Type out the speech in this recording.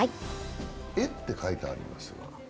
えって書いてあります。